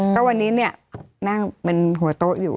ก็วันนี้เนี่ยนั่งเป็นหัวโต๊ะอยู่